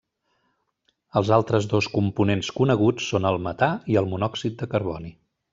Els altres dos components coneguts són el metà i el monòxid de carboni.